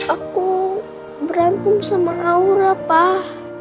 aku berantem sama aura pak